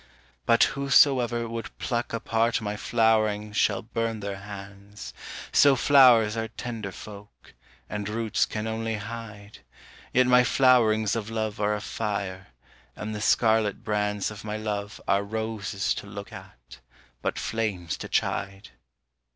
But whosoever would pluck apart my flowering shall burn their hands, So flowers are tender folk, and roots can only hide, Yet my flowerings of love are a fire, and the scarlet brands Of my love are roses to look at, but flames to chide.